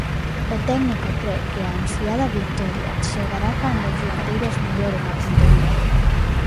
O técnico cre que a ansiada vitoria chegará cando os dianteiros melloren a puntería.